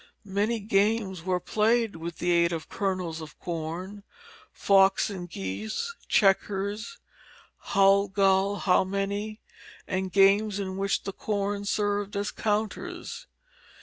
Many games were played with the aid of kernels of corn: fox and geese, checkers, "hull gull, how many," and games in which the corn served as counters.